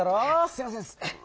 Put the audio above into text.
すいません。